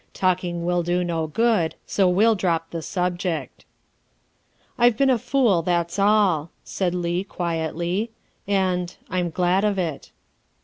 Talking will do no good, so we'll drop the subject." " I've been a fool, that's all," said Leigh quietly, "and I'm glad of it."